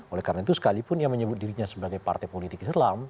oleh karena itu sekalipun ia menyebut dirinya sebagai partai politik islam